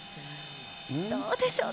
どうでしょうか。